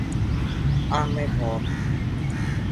อ้างไม่พร้อม